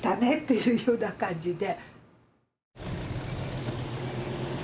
いうような感じで。